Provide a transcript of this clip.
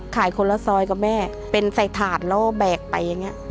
คนละซอยกับแม่เป็นใส่ถาดแล้วก็แบกไปอย่างนี้